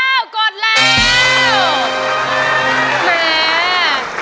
อ้าวกดแล้ว